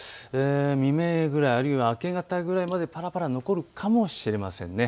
未明くらい、あるいは明け方ぐらいまでぱらぱら残るかもしれません。